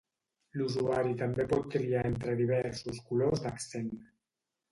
L'usuari també pot triar entre diversos colors d'accent.